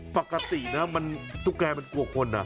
ปกตินะตุ๊กแกมันกลัวคน